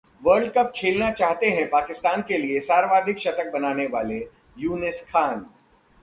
world cup खेलना चाहते हैं पाकिस्तान के लिए सर्वाधिक शतक बनाने वाले यूनिस खान